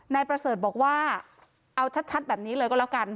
นายประเสริฐบอกว่าเอาชัดแบบนี้เลยก็แล้วกัน